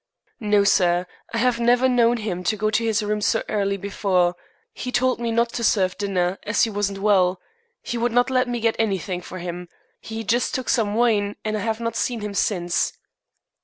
"No, sir. I have never known him to go to his room so early before. He told me not to serve dinner, as he wasn't well. He would not let me get anything for him. He just took some wine, and I have not seen him since."